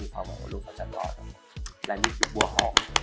แต่สุดท้ายหมันนักมาก